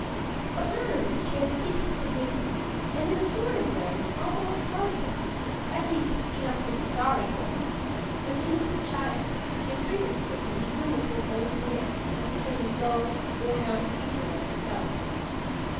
But latterly she had ceased to hate him, and, in a sort of way, almost loved him at least, enough to be sorry for him an innocent child, imprisoned here till he grew into an old man, and became a dull, worn out creature like herself.